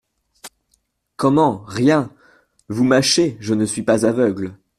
Comment ! rien !… Vous mâchez, je ne suis pas aveugle.